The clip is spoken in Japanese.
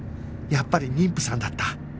やっぱり妊婦さんだった